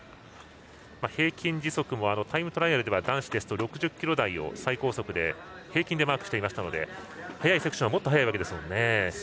平均時速もタイムトライアルでは男子ですと６０キロ台を平均でマークしていましたので早いセクションはもっと早いです。